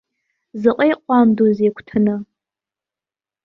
Заҟа иҟәандоузеи агәҭаны!